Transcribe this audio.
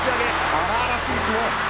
荒々しい相撲！